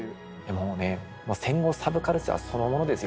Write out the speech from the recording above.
もうね戦後サブカルチャーそのものですよ。